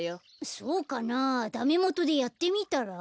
そうかなあダメもとでやってみたら？